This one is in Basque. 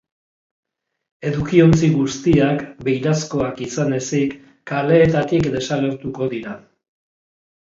Edukiontzi guztiak, beirazkoak izan ezik, kaleetatik desagertuko dira.